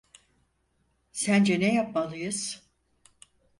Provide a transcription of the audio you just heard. Sence ne yapmalıyız?